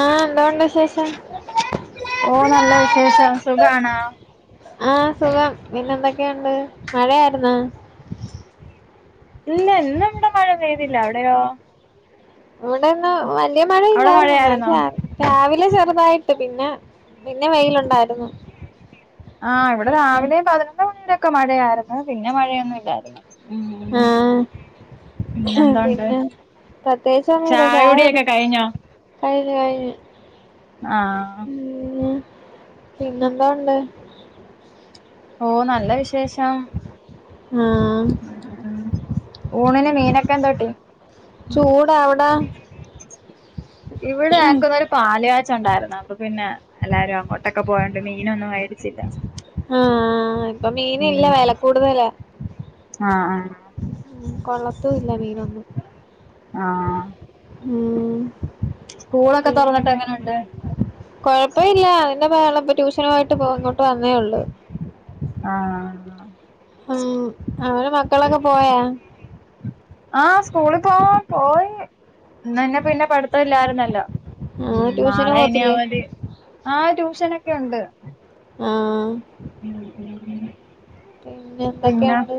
ആഹ് എന്തോണ്ട് വിശേഷം ഓഹ് നല്ല വിശേഷം സുഖണോ ആഹ് സുഖം പിന്നെന്തൊക്കെയുണ്ട് മഴയായിരുന്ന ഇല്ല്യ ഇന്ന് ഇവിടെ മഴ പെയ്തില്ല അവിടെയോ ഇവിടെന്ന് വല്ല്യ അവിടെ മഴയില്ലായിരുന്നു എന്നാലും മഴയായിരുന്നോ ചാറി രാവിലെ ചെറുതായിട്ട് പിന്നെ പിന്നെ വെയിലുണ്ടായിരുന്നു ആഹ് ഇവിടെ പിന്നെ രാവിലെയും പതിനൊന്ന് മണിവരൊക്കെ മഴയായിരുന്നു പിന്നെ മഴയൊന്നുംല്ലായിരുന്നു ആ ഉം പിന്നെന്തോണ്ട് പിന്നെ പ്രത്യേകിച്ച് ഒന്നുംല്ല ചായ കുടി കുടിയൊക്കെ കഴിഞ്ഞോ കൈഞ്ഞ് കൈഞ്ഞ് ആഹ് ഉം പിന്നെന്തോ ഒള്ള ഓഹ നല്ല വിശേഷം ആഹ് ഊണിന് മീനൊക്കെ എന്തോട്ടി ചൂട അവിടാ ഇവിടെ എക്കിന്നൊരു പാല് കാച്ച് ഒണ്ടാരുന്നു അപ്പൊ പിന്നെ എല്ലാരും അങ്ങോട്ടൊക്കെ പോയോണ്ട് മീനൊന്നും മേടിച്ചില്ല ആഹ ഇപ്പൊ മീൻ ഇല്ല ഉം വില കൂടുതല ആഹ് ആഹ് കൊള്ളത്തുല്ല മീനൊന്നും ആഹ് ഉം സ്കൂളൊക്കെ തൊറന്നിട്ട് എങ്ങനുണ്ട് കൊഴപ്പ ഇല്ല അതിന്റെ ബഹള ഇപ്പ ട്യൂഷനു പോയിട്ട് ഇങ്ങോട്ട് വന്നേ ഒള്ളൂ ആഹ് ഉം അവടെ മക്കളൊക്കെ പോയാ ആഹ സ്കൂള് പോവ പോയി ഇന്ന ന്ന പിന്നെ പഠിത്തം ഇല്ലായിരുന്നല്ലോ ആഹ് ഉം ട്യൂഷന് നാളെ ഇനി പോവത്തില്ലേ അവധി ആഹ ട്യൂഷനൊക്കെ ഒണ്ട് ആഹ് [inaudible] ഉം പിന്നെ എന്തൊക്കെയുണ്ട്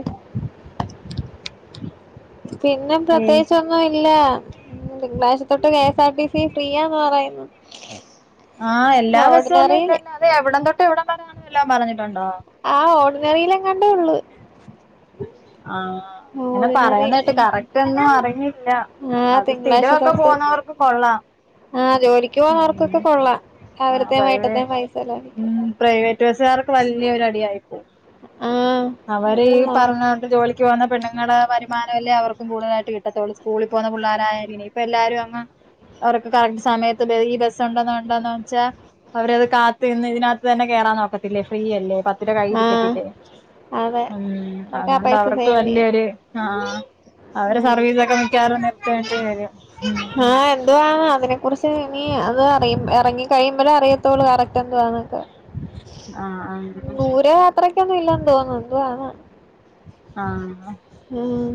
പിന്നെ ഏഹ് പ്രത്യേകിച്ച് ഒ ന്നുല്ല തിങ്കളാഴ്ചത്തൊട്ട് കെഎസ് ആർ ടി സി ഫ്രീയാന്ന് പറയുന്നു ആഹ് എല്ലാ ബസ്സൊന്നും ഓർഡിനറിയില് ഇല്ലന്നെ അത് എവിടം തൊട്ട് എവിടം വരണ വല്ലാം പറഞ്ഞിട്ടുണ്ടോ ആഹ ഓർഡിനറിലെങ്ങാണ്ടേ ഉള്ളു ആഹ ഇങ്ങനെ ഓർഡിനറി പറയന്നകേട്ട് കറക്റ്റ് ഒന്നും അറിഞ്ഞില്ല ആഹ് അത് തിങ്കളാഴ്ച സ്ഥിരമൊക്കെ തൊട്ട് പോവുന്നവർക്ക് കൊള്ളാം ആഹ് ജോലിക്ക് [unintelligible] പോകുന്നവർക്കൊക്കെ കൊള്ളാം രാവിലത്തെയും വൈകിട്ടത്തെയും പൈസ ലാഭിക്കാം ഉം പ്രൈവറ്റ് ബസ്സുകാർക്ക് വല്യൊരു അടിയായിപ്പോയി ആഹ് അവര് ഈ അത് പറഞ്ഞ ജോലിക്ക് പോന്ന പെണ്ണുങ്ങടെ വരുമാനമല്ലേ അവർക്കു കൂടുതാലായിട്ട് കിട്ടത്തുള്ളൂ സ്കൂളിൽ പുള്ളാരായാലും പോകുന്ന പുള്ളാരായരി ഇപ്പല്ലാരും അങ്ങ് [unintelligible] കറക്റ്റ് സമയത്ത് ഈ ബസ് ഒണ്ടന്ന് ഒണ്ടന്ന് വെച്ച അവരത് കാത്ത് നിന്ന് ഇതിനാത്ത് തന്നെ കേറാൻ നോക്കത്തില്ലേ ഫ്രീയല്ലേ പത്തുര ആഹ് കൈയിരിക്കത്തില്ലേ അതെ ഉം അവർക്ക് ആ അതുകൊണ്ട് പൈസ അവർക്ക് സേവ് ചെയ്യാം വല്യൊരു ആഹ ഉമ്മി അവരെ സർവീസക്കെ മിക്കവാറും നിർത്തേണ്ടി വരും എന്തുവാ അതിനെ കുറിച്ച് ഇനി അത് അറിയും എറങ്ങി കഴിയുമ്പളെ അിയത്തൊള്ളൂ കറക്റ്റ് എന്തുവാന്നൊക്കെ ആഹ് ആഹ് ദൂര യാത്രക്കൊന്നും ഇല്ലന്ന് തോന്നുന്നു എന്തുവാണ് ആഹ് ഉം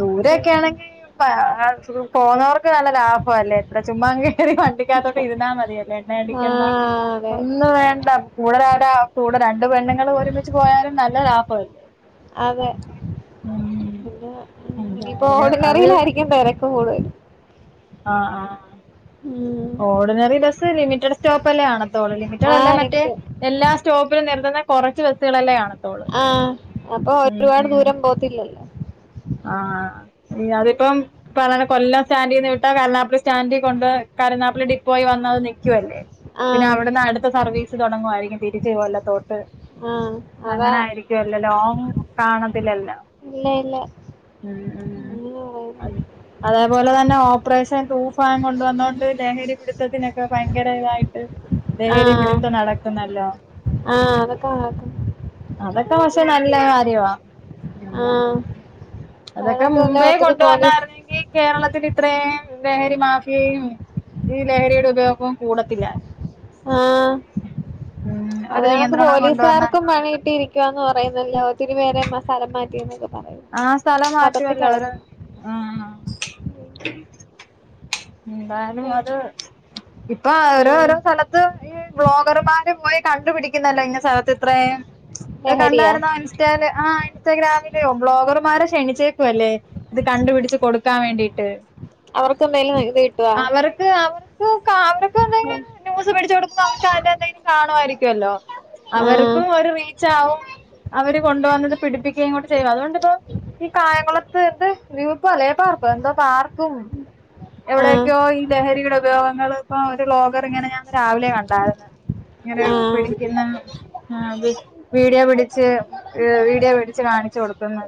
ദൂരയൊക്കെ പിന്നെ ആണെങ്കി പ പോണവർക്ക് നല്ല ലാഭവല്ലേ? അവിടെ ചുമ്മാ അങ്ങ് കേറി വണ്ടിക്കകത്തോട്ട് ഇരുന്നാ മതിയല്ലേ എണ്ണ അടിക്കണ്ട ആഹ് അതെ അതെ ഒന്നും വേണ്ട കൂടെ ഒരാടെ കൂടെ രണ്ട് പെണ്ണുങ്ങളും ഒരുമിച്ച് പോയാലും നല്ല ലാഭവല്ലേ? അതെ പിന്നെ ഇനിയിപ്പോ എന്തായാലും അവര് ഓർഡിനറിയിലായിരിക്കും തെര ക്ക് കൂടുതലും ആഹ് ആഹ് ഉം ഓർഡിനറി ബസ്സ് ലിമിറ്റഡ് സ്റ്റോപ്പ് അല്ലേ കാണത്തൊള്ളു ലിമിറ്റഡ് അല്ല ആഹ് മറ്റേ നെക്സ്റ്റ് എല്ലാ സ്റ്റോപ്പിലും നിർത്തുന്ന കൊറച്ച് ബസ്സുകളല്ലേ കാണ ആഹ് അപ്പൊ ഒരുപാട് ദൂരം പോവത്തില്ലല്ലോ? ആഹ് അതിപ്പം ഈ പറയണ കൊല്ലം സ്റ്റാൻഡിന്ന് വിട്ടാ കരുനാഗപ്പള്ളി സ്റ്റാൻഡി കൊണ്ട് കരുനാഗപ്പള്ളി ഡിപ്പോയി വന്നത് നിക്കുവല്ലേ പിന്നെ ആഹ് അവിടുന്ന് അടുത്ത സർവീസ് തൊടങ്ങുവായിരിക്കും തിരിച്ചു കൊല്ലത്തോട്ട് ആഹ് അതാ അങ്ങനെയായിരിക്കും തിരിച്ച് വരില്ല ലോങ്ങ് കാണത്തില്ലല്ലോ ഇല്ല ഇല്ല ഉം ഉം അങ്ങനെ പോവുന്നു അതേപോലെ തന്നെ ഓപ്പറേഷൻ തൂഫാ തൂഫാൻ കൊണ്ടു വന്നോണ്ട് ലഹരി പിടുത്തത്തിനൊക്കെ ഭയങ്കര ഇതായിട്ട് ആഹ് ലഹരിപിടുത്തം നടക്കു നടക്കുന്നല്ലോ ആഹ് അതൊക്കെ നടക്കും അതൊക്കെ പക്ഷെ നല്ല കാര്യവാ ഉം ആഹ് അതൊക്കെ അതൊണക്കല്ല മുമ്പേ ഒത്തിരി കൊണ്ട് പോലീസ് വന്നായിരുന്നെങ്കി കേരളത്തിലിത്രയും ലഹരി മാഫിയയും ഈ ലഹരിയുടെ ഉപയോഗവും കൂടത്തില്ലായിരുന്നു ആഹ് ഉം അത് ഒരു കണക്ക് നിയന്ത്രണം കൊണ്ടുവന്ന പോലീസുകാർക്കും പണി കിട്ടിയിരിക്ക ക്കാന്ന് പറയുന്നല്ലോ ഒത്തിരി പേരെ സ്ഥലം മാറ്റി എന്നൊക്കെ പറയുന്നു ആ സ്ഥലം പത്രത്തി മാറ്റുവല്ലോ അവര് കെടപ്പു ആഹ് ഉം എന്തായാലും അത് പിന്നെ ഇപ്പൊ അവര് ആഹ് ഓരോ സ്ഥലത്ത് ഈ ബ്ലോഗർമാര് പോയി കണ്ടുപിടിക്കുന്നല്ലോ ഇന് സ്ഥലത്ത് ഇത്രയും അത് ലഹരിയാ കണ്ടായിരുന്നോ? ഇൻസ്റ്റേല് ആ ഇൻസ്റ്റഗ്രാമിലെയോ ബ്ലോഗർമാരെ ക്ഷണിച്ചേക്കുവല്ലേ? ഇത് കണ്ടുപിടിച്ച് കൊടുക്കാൻ വേണ്ടിയിട്ട് അവർക്ക് എന്തേലും ഐഡി അവർക്ക് അവർ [inaudible] ന്യൂസ് പിടിച്ചു കൊടുക്കുമ്പം അവർക്ക് അതിന്റെ എന്തെങ്കിലും കാണുവായിരിക്കുവല്ലോ ആഹ് അവർക്കും ഒരു റീച്ചാവും അവര് കൊണ്ട് വന്ന് അത് പിടിപ്പിക്കുകയും ചെയ്യും അത് കൊണ്ടിപ്പോ ഈ കായംകുളത്ത് എന്ത് [unintelligible] പാർക്ക് എന്തോ പാർക്കും [inaudible] ആഹ് എവിടെയൊക്കെയോ ഈ ലഹരിയുടെ ഉപയോഗങ്ങള് ഇപ്പൊ ഒരു വ്ലോഗർ ഇങ്ങനെ ഞാനിന്ന് രാവിലെ കണ്ടായിരുന്നു ഇങ്ങനെ ആഹ് പിടിക്കുന്ന ആ വീഡിയോ പിടി പിടിച്ച് വീഡിയോ പിടിച്ച് കാണിച്ചു കൊടുക്കുന്നു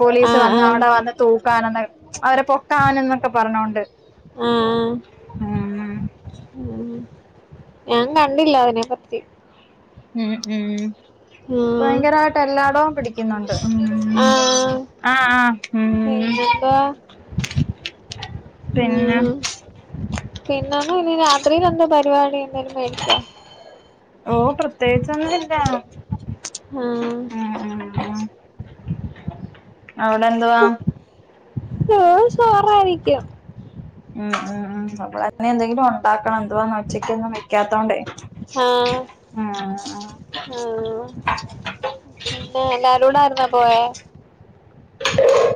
പോലീസ് ആഹ് വന്ന് ആഹ് അവിടെ വന്ന് തൂക്കാനാന്ന് അവരെ പൊക്കാനന്നൊക്കെ പറഞ്ഞോണ്ട് ആഹ് ആഹ് ഉം ഉം ഉം ഞാൻ കണ്ടില്ല അതിനെപ്പറ്റി ഉം ഉം ഉം. ഭയങ്കരമായിട്ട് എല്ലാടവും പിടിക്കുന്നുണ്ട് ഉം ആ ആഹ് ആഹ് ഉം [unintelligible] പിന്നെ പിന്നെ ഇനി രാത്രിൽ എന്തോ പരിപാടി എന്തോലും മേടിക്കുവോ ഓ പ്രത്യേകിച്ചൊന്നുംവില്ല അവിടെ എന്തുവാ ആഹ് ചോ ചോറായിരിക്കും ഉം ഉം ഉം നമ്മള് എന്തെങ്കിലും ഉ ഒണ്ടാക്കണം എന്തുവാന്നാ ഉച്ചക്ക് ഒന്നും വെക്കാത്തോണ്ടേ ആഹ് ഉം ആഹ് [unintelligible] എവിടായിരുന്ന് ആ പോയേ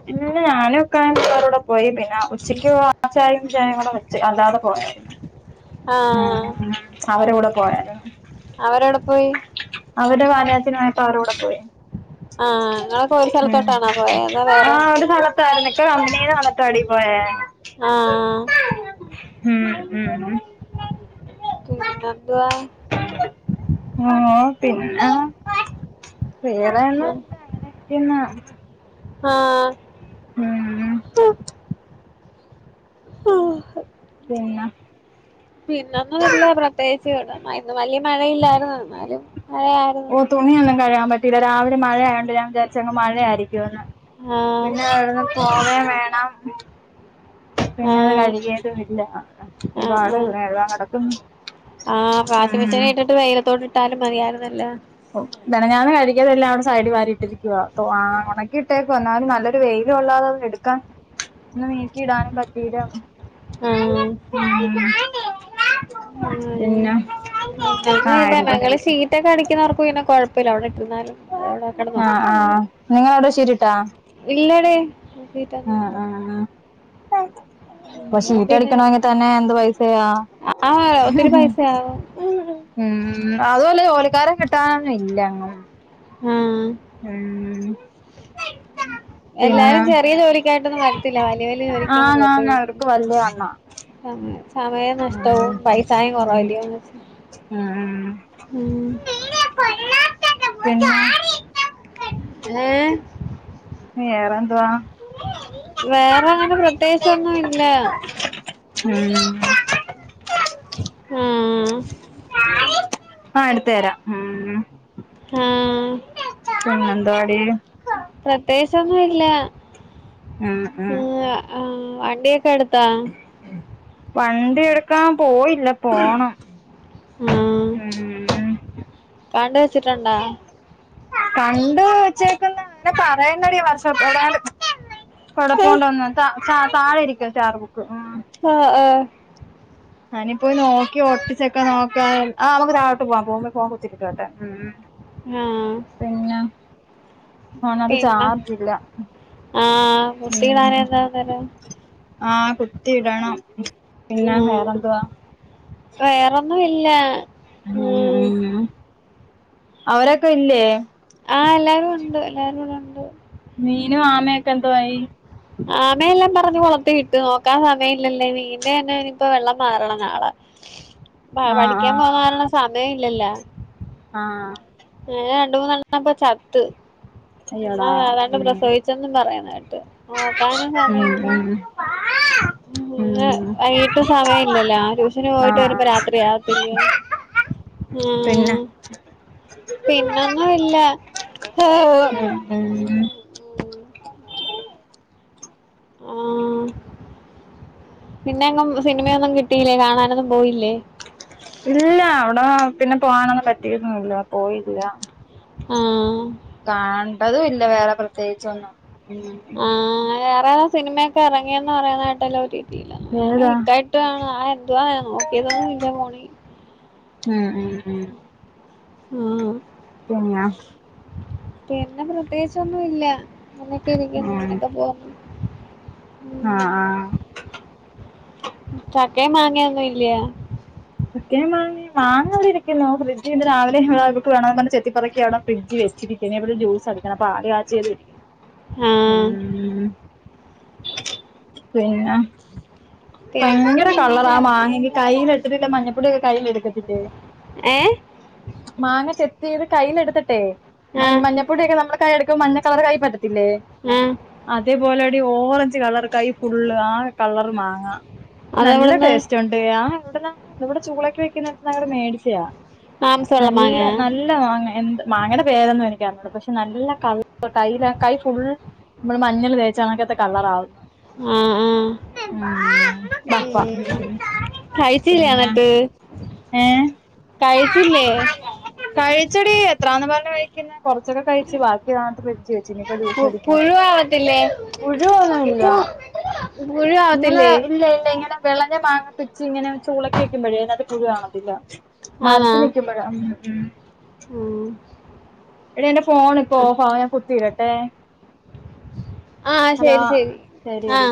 പിന്നെ ഞാനും ഇക്കായും പിള്ളാരുംകൂടി പോയി പിന്നെ ഉച്ചക്ക് ആ ചാ [unintelligible] യയും ചായയും കൂടെെ അല്ലാതെ [unintelligible] പോകണ [unintelligible] രുന്നു ആ ഉം അവരൂടെ പോയാലോ അവര് എവിടെ പോയി അവരടെ പാലുകാച്ചിന് പോയപ്പോ അവരുടെ കൂടെ പോയി ആ നിങ്ങളൊക്കെ ഒരു ഉം സ്ഥലത്തോട്ടാണോ പോയെ അതോ ആ വേറെ- ഒരു ഇക്ക കമ്പനിടെ കണക്കാടി പോയെ ആഹ് ഉം ഉം ഉം പിന്നെ എന്തുവാ ആഹ് പിന്നെ വേറെ ഒന്നുവില്ല അങ്ങനെരിക്കുന്നു ആഹ് ഉം ആഹ് പിന്നെ പിന്ന ഒന്നും ഇല്ല പ്രത്യേകിച്ച് ഇവിടെ ഇന്ന് വലിയ മഴയില്ലായിരുന്നു എന്നാലും മഴയായിരുന്നു ഓ തുണിയൊന്നും കഴുകാൻ പറ്റിയില്ല രാവിലെ മഴയായോണ്ട് ഞാൻ വിചാരിച്ച് അങ് മഴയായിരിക്കും എന്ന് ആഹ് പിന്നെ എവിടെ പോവെ വേണം പിന്നെ അത് ആഹ് കഴുകിയതുമില്ല ആഹ് ഒരുപാട് ആഹ് കഴുകാൻ കെടക്കുന്നു ആഹ് വാഷ് മെഷീനിൽ ഇട്ടിട്ട് - വെയിലത്തോട്ട് ഇട്ട് ഇട്ടാലും മതിയാരുന്നല്ലോ ഓ മെനഞ്ഞാന്ന് കഴുകിയതെല്ലാം അവിടെ സൈഡിൽ വാരിയിട്ടിരിക്കുവ ആഹ് ഒണക്കിട്ടേക്കുവാ എന്നാലും നല്ലൊരു വെയില് കൊള്ളാതെ- ട്ക്കാ ഒന്ന് നീക്കി ഇടാനും പറ്റീല ആഹ് ഉം ഉം പിന്നെ ആഹ് [unintelligible] ഇരുത് ഞങ്ങള് സീറ്റൊക്കെ അടിക്കുന്നവർക്കും പിന്നെ കൊഴപ്പ - പ്പവില്ല അവിടെ ഇട്ടിരുന്നാലും അത് അവിടെ കെടന്ന് ആഹ് ഒണങ്ങിക്കോളും ആഹ് നിങ്ങളവിടെ ഷീറ്റിട്ടാ ഇല്ലടെ ഇപ്പൊ ഷീറ്റടിക്കണങ്കി തന്നെ എന്ത് പൈസയാ ആഹ് ഒത്തിരി പൈസയാവും ഉം അതുവല്ല ജോലിക്കാരെ കിട്ടാനൊന്നും ഇല്ല അങ്ങനെ- ആഹ് ഉം [inaudible] പിന്നെ എല്ലാരും ചെറിയ ജോലിക്കായിട്ടൊന്നും വരത്തില്ല വല്ല്യെ വല്ല്യെ ജോലിക്കങ്ങ് പോത്തേ ആന്നാന്ന് ഉള്ളൂ അവർക്ക് വല്യ കണ്ണാ സമയ സമയം നഷ്ടവും പൈസായും ഉം കൊറവല്യോന്ന് ഉം ഉം ഉം പിന്നെ ഏഹ് വേറെ എന്തുവാ വേറെ അങ്ങനെ പ്രത്യേകിച്ചോന്നും ഇല്ല ഉം ആഹ് [unintelligible] ആഹ് എട്ത്ത് തരാം ഉം ആഹ് പിന്നെന്താടി പ്രത്യേകിച്ചൊന്നും ഇല്ല ഉം ഉം ഇങ് ക ആഹ് വണ്ടിയൊക്കെ എട്ത്താ വണ്ടി എട്ക്കാൻ പോയില്ല പോണം ആഹ് ഉം കണ്ട് വെച്ചിട്ടുണ്ടാ കണ്ട് വച്ചേക്കുന്ന അങ്ങനെ പറയുന്നടി വർഷത്ത കൊഴപ്പുണ്ടോന്ന് താഴ ഇരിക്ക ചാർബുക്ക് ഉം ആഹ് ആഹ് ഞാനിപ്പോ നോക്കി ഒട്ടിച്ചൊക്കെ നോക്കാ ആ നമുക്ക് താവോട്ട് പോവാ പോകുമ്പ ഫോൻ കുത്തെച്ചിട്ട് വരട്ടെ ഉം ഉം ആഹ് ഫോണിനാത് പിന്നെ ചാർജ്ല്ല ആഹ് കുത്തിടാഞ്ഞ എന്താ അന്നേരം ആഹ് കുത്തി ഇടണം ഉം വേറൊന്നും ഇല്ല ഉം ഉം അവരൊക്കെ ഇല്ലേ ആഹ് എല്ലാരും ഉണ്ട് എല്ലാരും ഇവിടെ ഉണ്ട് മീനും ആമയൊക്കെ എന്തു ആയി ആമയെല്ലാം പറ്ക്കി കൊളത്തിലിട്ടു നോക്കാൻ സമയം ഇല്ലല്ലോ മീനീന്റെ തന്നെ ഇനിയിപ്പോ വെള്ളം മാറണം നാളാ ആഹ് പഠിക്കാൻ ആഹ് പോവാനുള്ള സമയം ഇല്ലല്ലോ ആഹ് ന്നെ രണ്ട് മൂന്നെണ്ണം ഇപ്പം ചത്ത് പിന്നെ അയ്യോടാ ഏതാണ്ട് ഉം പ്രസവിച്ച് എന്നും പറയുന്ന കേട്ടു നോക്കാനും ഉം സമയല്ല ഉം ഉം വൈകിട്ട് സമയം ഇല്ലല്ലോ ട്യൂഷന് ആഹ് പോയിട്ട് വരുമ്പോ ആഹ് രാത്രിയാവത്തില്ലേ പിന്നെ ഉം പിന്നൊന്നും ഇല്ല ഏഹും ഉം ഉം ആഹ് പിന്നെ എങ്ങും സിനിമയൊന്നും കിട്ടിയില്ലേ കാണാനൊന്നും പോയില്ലേ ഇല്ല അവിടെ പിന്നെ പോകാനൊന്നും പറ്റിയൊന്നുംല്ല പോയില്ല ആഹ് കണ്ടതും ഇല്ല വേറെ പ്രത്യേകിച്ചൊന്നും ഉം ആഹ് വേറെ സിനിമയൊക്കെ ഇറങ്ങിയെന്ന് പറയണ കേട്ടല്ലേ ഒടിടിയില് ഞാനും ഏതാ വിക്കാ ആഹ് എന്തുവാൻ നോക്കിയതോന്ന് ഇല്ല ഫോണി ഉം ഉം ഉം ഉം പിന്നാ പിന്നെ പ്രത്യേകിച്ച് ഒന്നും ഇല്ല. ഇങ്ങനൊക്കെ ഉം ഇരിക്കുന്നു. ഇങ്ങനൊക്കെ പോന്നു. ആഹ് ആഹ് ചക്കയും മാങ്ങയും ഒന്നു ഇല്ലയോ. ചക്കയും മാങ്ങയും, മാങ്ങ ഇവിടിരിക്കുന്നു. ഫ്രിഡ്ജ് ഇന്ന് രാവിലെ ഇവിടെ ഇവൾക്ക് വേണംന്ന് പറഞ്ഞെ ചെത്തിപ്പറക്കി അവിടെ ഫ്രിഡ് വെച്ചിരിക്കയാ. ഇനി അത് ജ്യൂസ് അടിക്കണം. പാല് കാച്ചിയാല് ആഹ് ഉം പിന്നെ ഭയങ്കര പിന്നൊന്നും ഇല്ല കളറാ ആ അങ്ങനെ മാങ്ങെക്ക് കയ്യില്. ഒരു കിലേ മഞ്ഞപ്പൊടിയൊക്കെ കയ്യിൽ എടുക്കത്തില്ലേ. ഏഹ്. മാങ്ങ ചെത്തിയത് കയ്യില് എടുത്തിട്ടെ, ആഹ് മഞ്ഞ പൊടിയൊക്കെ നമ്മള് കൈകളിലെടുക്കുമ്പോൾ മഞ്ഞ കളർ കൈ പറ്റത്തില്ലേ ഉം അതേപോലെ എടി ഓറഞ്ച് കളർ കൈ ഫുള്ള്. ആകെ കളർ മാങ്ങാ. നല്ല അതെവിടുന്ന് ടേസ്റ്റ് ഉണ്ട്. ആ ഇവിടെന്ന്. ഇവിടെ ചൂളൊക്കെ വിൽക്കുന്നിടത്തൂന്ന് മേടിച്ചയാ. മാംസമുള്ള നല്ല, നല്ല മാങ്ങയാ നല്ല മാങ്ങ, എന്ത് മാങ്ങയുടെ പേരൊന്നും എനിക്കറിഞ്ഞുകൂടാ. പക്ഷെ നല്ല കളർ കൈ ഫുൾ നമ്മള് മഞ്ഞൾ തേച്ചാണക്കത്തെ കളറാവുന്നത്. ആഹ് ആഹ് [unintelligible] കഴിച്ചില്ലേ എന്നിട്ട് ഏ കഴിച്ചില്ലേ കഴിച്ചടി എത്രാന്ന് പറഞ്ഞ് കഴിക്കുന്നത് കുറച്ചൊക്കെ കഴിച്ച്, ബാക്കി മാറ്റി ഫ്രിഡ്ജിൽ വെച്ചിന്. ഇനിപ്പം പു- ജൂസടിക്കാൻ പുഴുവാവത്തില്ലേ പുഴുവൊന്നുമില്ല. പു- ഇങ്ങനെ പുഴുവാവത്തില്ലേ ഇല്ല, ഇല്ല ഇങ്ങനെ വിളഞ്ഞ മാങ്ങ പ്പിച്ച് ഇങ്ങനെ ചൂളൊക്കെ വെക്കുമ്പോഴേ, അതിനകത്ത് പുഴു കാണത്തില്ല. മരത്തിൽ നിൽക്കുമ്പോഴാ ഉം.. ഉം.. എടി എന്റെ ഫോൺ ഇപ്പം ഓഫ് ആകും. ഞാൻ കുത്തിടട്ടെ. ആ ഹലോ ശരി ശരി ശരിയടി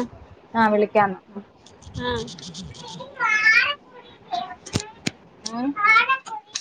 ആ വിളിക്കാം. ആഹ് ഉം